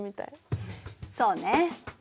そうね。